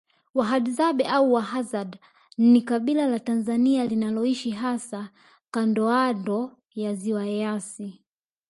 Wahadzabe au Wahadza ni kabila la Tanzania linaloishi hasa kandooando ya ziwa Eyasi